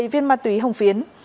một mươi viên ma túy hồng phiến